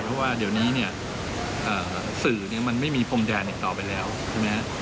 เพราะว่าเดี๋ยวนี้เนี่ยสื่อมันไม่มีพรมแดนอีกต่อไปแล้วใช่ไหมฮะ